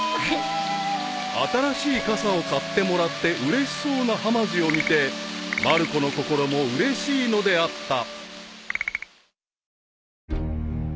［新しい傘を買ってもらってうれしそうなはまじを見てまる子の心もうれしいのであった］